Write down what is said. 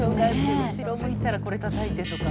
「後ろ向いたらこれたたいて」とか。